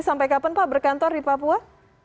sampai kapan pak berkantor di papua